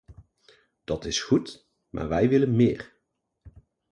Dat is goed, maar wij willen meer.